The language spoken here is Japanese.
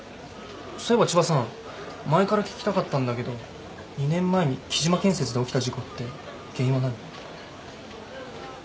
そういえば千葉さん前から聞きたかったんだけど２年前に喜嶋建設で起きた事故って原因は何？